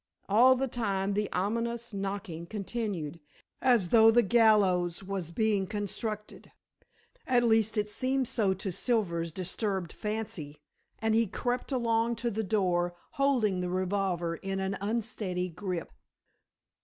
All the time the ominous knocking continued, as though the gallows was being constructed. At least it seemed so to Silver's disturbed fancy, and he crept along to the door holding the revolver in an unsteady grip.